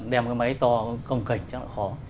đem cái máy to cong cảnh chắc là khó